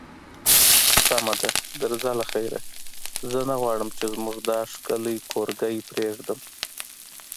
سمه ده، درځه له خیره، زه نه غواړم چې زموږ دا ښکلی کورګی پرېږدم.